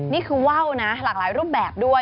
นี่คือว่าวนะหลากหลายรูปแบบด้วย